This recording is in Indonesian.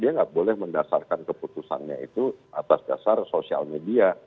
dia nggak boleh mendasarkan keputusannya itu atas dasar sosial media